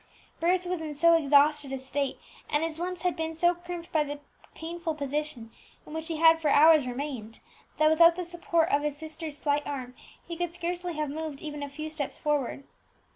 Bruce was in so exhausted a state, and his limbs had been so cramped by the painful position in which he had for hours remained, that without the support of his sister's slight arm he could scarcely have moved even a few steps forward.